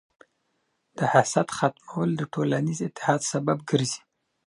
د حسد ختمول د ټولنیز اتحاد سبب ګرځي.